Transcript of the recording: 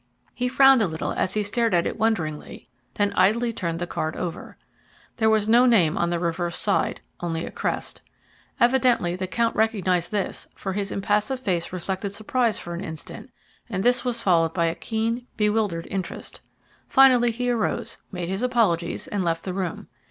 He frowned a little as he stared at it wonderingly, then idly turned the card over. There was no name on the reverse side only a crest. Evidently the count recognized this, for his impassive face reflected surprise for an instant, and this was followed by a keen, bewildered interest. Finally he arose, made his apologies, and left the room.